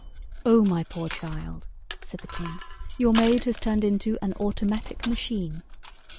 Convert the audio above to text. ] "Oh, my poor child," said the King, "your maid has turned into an Automatic Machine."